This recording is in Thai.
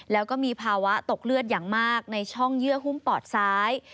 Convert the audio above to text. แล้วก็มีภาวะตกเลือดอย่างมากในช่องเยื่อหุ้มปอดซ้าย